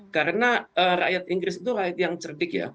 karena rakyat inggris itu rakyat yang cerdik ya